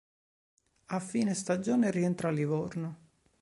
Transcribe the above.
A fine stagione rientra a Livorno.